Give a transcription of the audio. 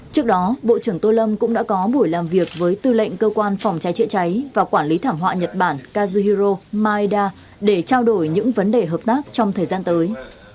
trước đó bộ trưởng tô lâm cũng đã có buổi làm việc với tư lệnh cơ quan phòng cháy chữa cháy và quản lý thảm họa nhật bản kazuro maeda để trao đổi những vấn đề hợp tác trong thời gian tới